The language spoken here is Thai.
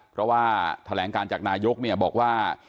เพราะว่าแถลงการจากนายกเนี่ยบอกว่า